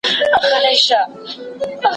پوهه لرونکې مور د تبې پر مهال پاملرنه کوي.